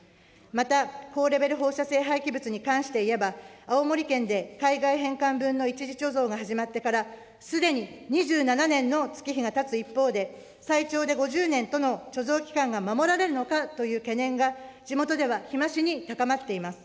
また、高レベル放射性廃棄物に関していえば、青森県で、海外返還分の一時貯蔵が始まってからすでに２７年の月日がたつ一方で、最長で５０年との貯蔵期間が守られるのかという懸念が、地元では日増しに高まっています。